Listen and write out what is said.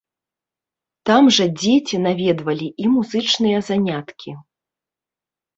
Там жа дзеці наведвалі і музычныя заняткі.